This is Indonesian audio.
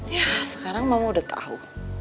ya sekarang mama udah tahu